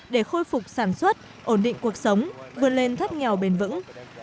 để khôi phục sản xuất ổn định cuộc sống vươn lên thoát nghèo bền vững